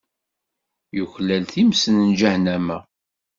Yuklal times n Ǧahennama.